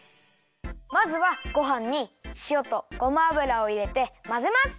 まずはごはんにしおとごま油をいれてまぜます！